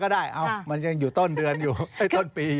ก็ได้มันยังอยู่ต้นเดือนต้นปีอ่ะ